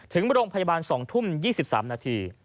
ถึงโรงพยาบาล๒ทุ่ม๒๓นาที